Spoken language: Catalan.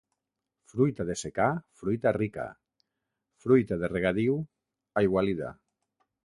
Fruita de secà, fruita rica; fruita de regadiu, aigualida.